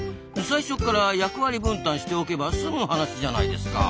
最初から役割分担しておけば済む話じゃないですか。